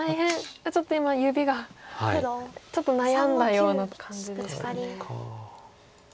ちょっと今指がちょっと悩んだような感じでしたね。